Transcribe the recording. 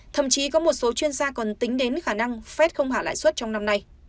thậm chí có một số chuyên gia còn tính đến khả năng phép không hạ lãi suất trong năm nay